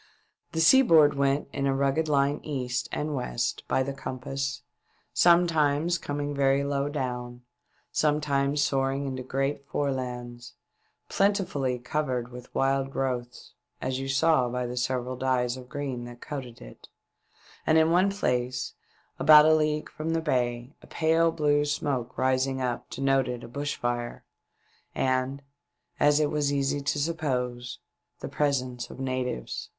The sea board went in a rugged line east and west by the compass, sometimes coming very low WE BRING UP IN A P.AV. 463 down, sometimes soaring into great forelands, plentifully covered with wild growths, as you saw by the several dyes of green that coated it, and in one place — about a league from the bay — a pale blue smoke rising up denoted a bash fire, and, as it was easy to suj.pose, the presence of natives.